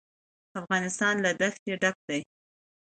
افغانستان له دښتې ډک دی.